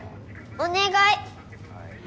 お願い！